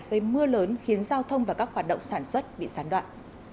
gây mưa lớn khiến giao thông và các hoạt động sản xuất bị gián đoạn